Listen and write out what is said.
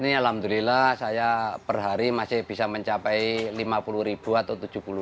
ini alhamdulillah saya perhari masih bisa mencapai lima puluh ribu atau tujuh puluh lima